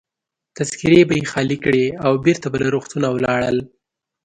تذکیرې به يې خالي کړې او بیرته به له روغتونه ولاړل.